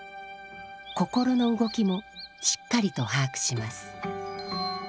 心の動きもしっかりと把握します。